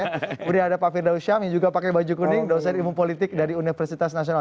kemudian ada pak firdausyam yang juga pakai baju kuning dosen ilmu politik dari universitas nasional